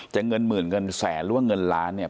เงินหมื่นเงินแสนหรือว่าเงินล้านเนี่ย